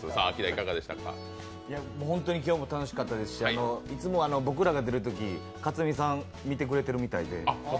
本当に今日も楽しかったですしいつも僕らが出てるときかつみさん、見てくれてるみたいで。